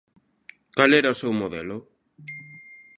¿Cal era o seu modelo?